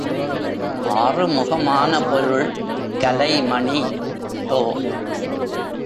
ஆறுமுகமான பொருள் கலைமணி தொ.